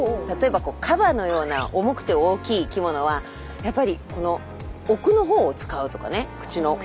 例えばカバのような重くて大きい生きものはやっぱり奥のほうを使うとかね口の。